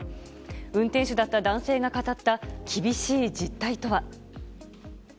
運転手だった男性が語った厳しい実態とは。